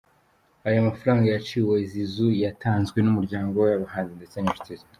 Aya amafaranga yaciwe Zizou, yatanzwe n’umuryango we, abahanzi ndetse n’inshuti ze.